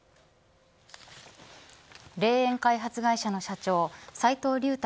霊園開発会社の社長斎藤竜太